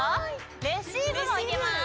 レシーブもうけます。